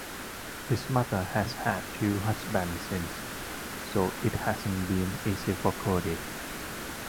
His mother has had two husbands since, so it hasn't been easy for Cody.